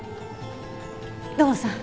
土門さん